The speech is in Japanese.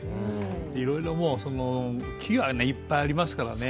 いろいろ、木がいっぱいありますからね